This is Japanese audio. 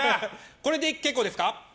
これで結構ですか？